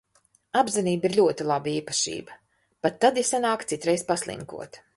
Apzinība ir ļoti laba īpašība pat tad, ja sanāk citreiz paslinkot.